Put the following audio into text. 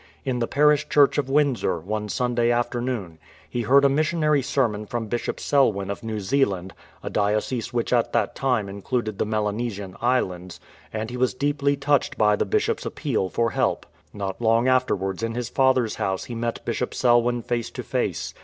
In the parish church of Windsor, one Sunday afternoon, he heard a missionary sermon from Bishop Selwyn of New Zealand, a diocese which at that time included the IMelanesian Islands, and he was deeply touched by the Bishop's appeal for help. Not long afterwards in his father's house he met Bishop Selwyn face to face.